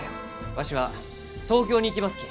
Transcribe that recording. わしは東京に行きますき。